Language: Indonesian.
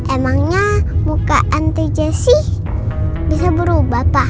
emangnya muka anti jesi bisa berubah pak